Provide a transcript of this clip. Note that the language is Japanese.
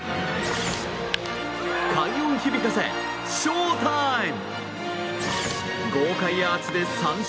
快音響かせ、ショウタイム！